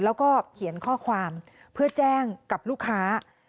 แล้วก็เขียนข้อความเพื่อแจ้งกับลูกค้า